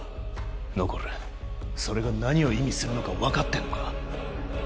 ノコルそれが何を意味するのか分かってんのか？